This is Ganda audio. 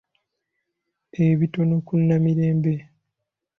Ebitono ku Namirembe.